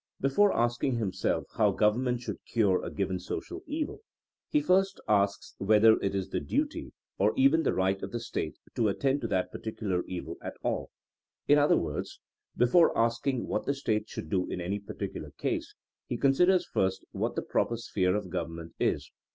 Before asking himself how Government should cure a given social evil, he first asks whether it is the duty 48 THINEINO AS A SCIENCE or even the right of the State to attend to that particular evil at all. In other words, before asking what the State should do in any particu lar case, he considers first what the proper sphere of government is.